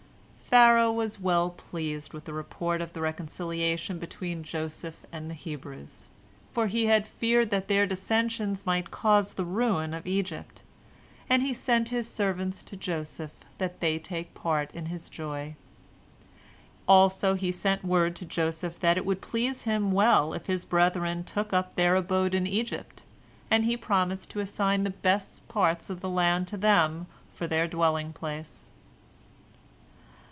Pharaoh was well pleased with the report of the reconciliation between Joseph and the Hebrews, for he had feared that their dissensions might cause the ruin of Egypt, and he sent his servants to Joseph, that they take part in his joy. Also he sent word to Joseph that it would please him well if his brethren took up their abode in Egypt, and he promised to assign the best parts of the land to them for their dwelling place.